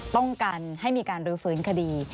ป้องกันให้มีการรื้อฟื้นคดี